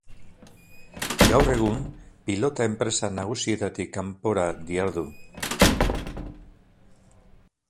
Gaur egun, pilota enpresa nagusietatik kanpora dihardu.